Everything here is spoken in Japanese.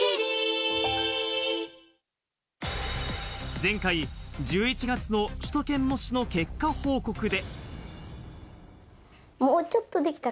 前回、１１月の首都圏模試の結果報告で。